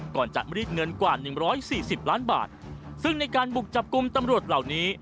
ก่อนจะรีดเงินกว่าหนึ่งร้อยสี่สิบล้านบาทซึ่งในการบุกจับกลุ่มตำรวจเหล่านี้